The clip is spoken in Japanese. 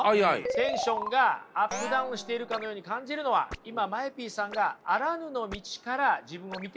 テンションがアップダウンしているかのように感じるのは今ＭＡＥＰさんがあらぬの道から自分を見ているからなんですよ。